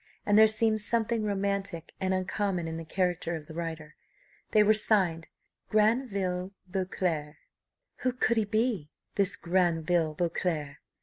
and there seemed something romantic and uncommon in the character of the writer. They were signed Granville Beauclerc! Who could he be, this Granville Beauclerc?